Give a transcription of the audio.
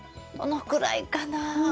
どのくらいかな。